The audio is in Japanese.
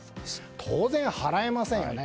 当然、払えませんよね。